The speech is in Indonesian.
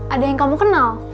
ada yang kamu kenal